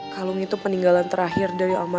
kalung itu peninggalan terakhir dari amarah rumah mama